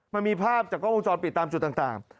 มันมีภาพจากกล้องวงจรปิดตามจุดต่าง